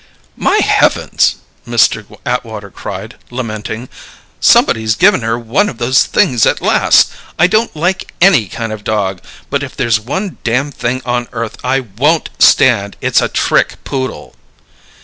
"My heavens!" Mr. Atwater cried, lamenting. "Somebody's given her one of those things at last! I don't like any kind of dog, but if there's one dam thing on earth I won't stand, it's a trick poodle!"